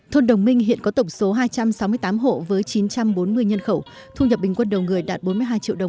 thôn đồng minh hiện có tổng số hai trăm sáu mươi tám hộ với chín trăm bốn mươi nhân khẩu thu nhập bình quân đầu người đạt bốn mươi hai triệu đồng